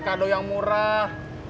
kado yang murah